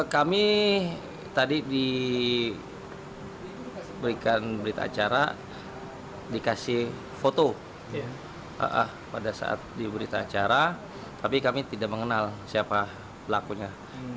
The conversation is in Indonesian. kami tadi diberikan berita acara dikasih foto pada saat diberita acara tapi kami tidak mengenal siapa pelakunya